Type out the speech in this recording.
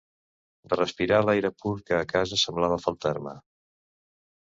De respirar l'aire pur que a casa semblava faltar-me.